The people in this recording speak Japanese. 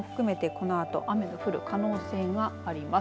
このあと雨が降る可能性があります。